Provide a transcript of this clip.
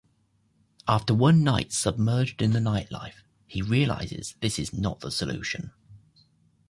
After one night submerged in the nightlife, he realizes this is not the solution.